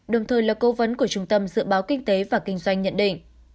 đồng thời là cố vấn của trung tâm dự báo kinh tế và kinh doanh nhận định